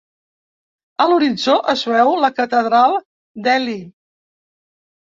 A l'horitzó es veu la Catedral d'Ely.